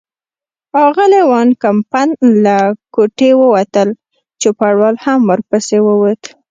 اغلې وان کمپن له کوټې ووتل، چوپړوال هم پسې ور ووت.